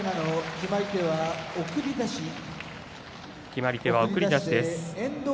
決まり手は送り出しです。